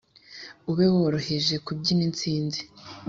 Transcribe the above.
Ube woroheje kubyina intsinzi